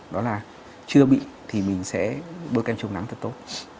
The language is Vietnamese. đó là chưa bị thì mình sẽ bơ kem chống nắng thật tốt